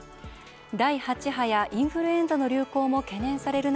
第８波やインフルエンザの流行も懸念される